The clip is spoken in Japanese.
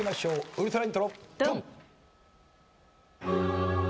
ウルトライントロドン！